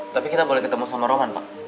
tapi kita boleh ketemu sama roman pak